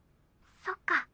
そっか。